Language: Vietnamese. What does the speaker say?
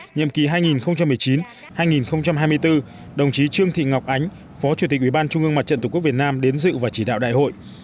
nhiệm kỳ hai nghìn một mươi chín hai nghìn hai mươi bốn đồng chí trương thị ngọc ánh phó chủ tịch ủy ban trung ương mặt trận tổ quốc việt nam đến dự và chỉ đạo đại hội